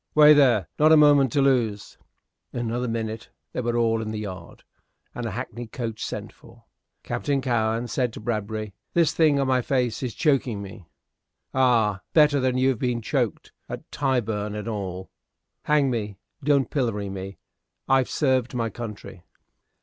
Way, there! not a moment to lose." In another minute they were all in the yard, and a hackney coach sent for. Captain Cowen said to Bradbury, "This thing on my face is choking me." "Oh, better than you have been choked at Tyburn and all." "Hang me. Don't pillory me. I've served my country."